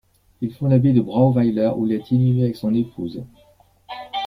Il fonde l'abbaye de Brauweiler, où il est inhumé avec son épouse.